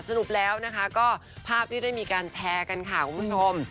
สรุปแล้วนะคะก็ภาพที่ได้มีการแชร์กันค่ะคุณผู้ชม